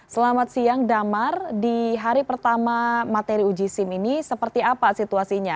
selamat siang damar di hari pertama materi uji sim ini seperti apa situasinya